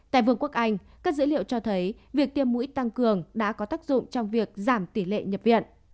tại vương quốc anh các dữ liệu cho thấy việc tiêm mũi tăng cường đã có tác dụng trong việc giảm tỷ lệ nhập viện